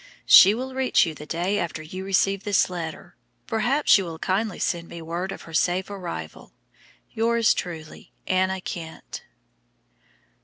She will reach you the day after you receive this letter. Perhaps you will kindly send me word of her safe arrival. Yours truly, ANNA KENT.'